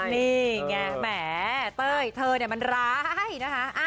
นี่ไงแหมเต้ยเธอเนี่ยมันร้ายนะคะ